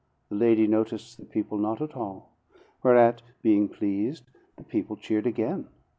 The lady noticed the people not at all; whereat, being pleased, the people cheered again.